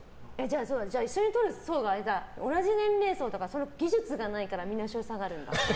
じゃあ、一緒に撮る層が同じ年齢層とか技術がないからみんな、後ろに下がるんだ。